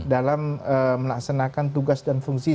dalam melaksanakan tugas dan fungsi